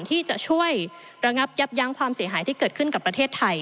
ที่จะช่วยระงับยับยั้งความเสียหายที่เกิดขึ้นกับประเทศไทย